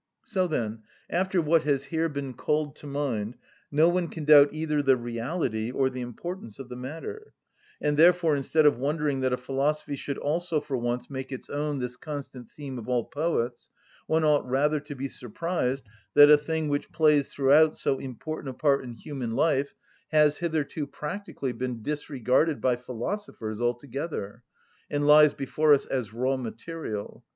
So then, after what has here been called to mind, no one can doubt either the reality or the importance of the matter; and therefore, instead of wondering that a philosophy should also for once make its own this constant theme of all poets, one ought rather to be surprised that a thing which plays throughout so important a part in human life has hitherto practically been disregarded by philosophers altogether, and lies before us as raw material.